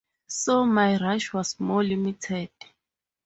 So my rush was more limited.